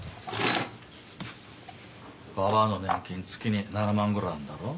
ババアの年金月に７万ぐらいあんだろ？